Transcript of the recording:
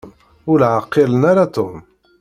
Ur ɛqilen ara Tom.